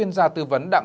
nên đến sáu mươi tám